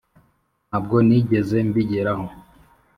ntabwo nigeze mbigeraho.